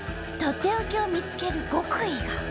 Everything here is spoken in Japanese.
とっておきを見つける極意が。